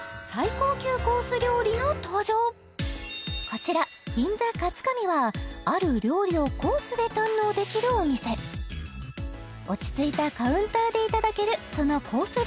こちら銀座かつかみはある料理をコースで堪能できるお店落ち着いたカウンターでいただけるそのコース